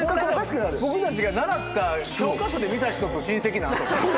僕たちが習った教科書で見た人と親戚なのとか。